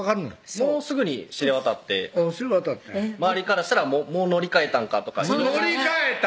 もうすぐに知れ渡って周りからしたら「もう乗り換えたんか」とか乗り換えた！